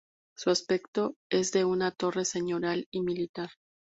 Su aspecto es de una torre señorial y militar.